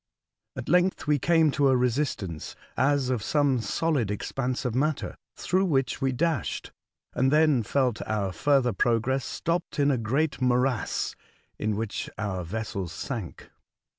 At length we came to a resistance, as of some solid ex panse of matter, through which we dashed, and then felt our further progress stopped in a great Saturn, 187 morass, in wliich our vessel sank.